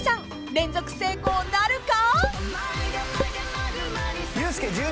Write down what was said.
［連続成功なるか！？］